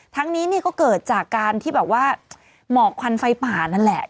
ทั้งนี้ก็เกิดจากการที่หมอกควันไฟป่านั่นแหละ